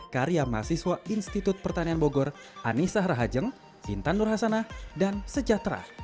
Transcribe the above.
karya mahasiswa institut pertanian bogor anissa rahajeng intan nurhasana dan sejahtera